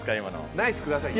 「ナイス」下さいよ。